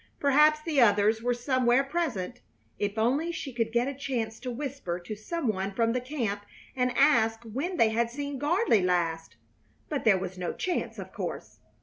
Perhaps the others were somewhere present. If only she could get a chance to whisper to some one from the camp and ask when they had seen Gardley last! But there was no chance, of course!